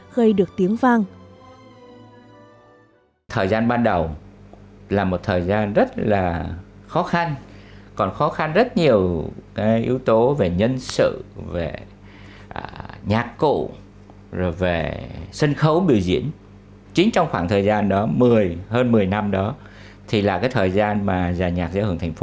gây được tiếng vang